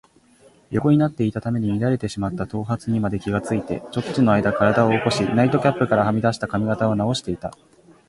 横になっていたために乱れてしまった頭髪にまで気がついて、ちょっとのあいだ身体を起こし、ナイトキャップからはみ出た髪形をなおしていた。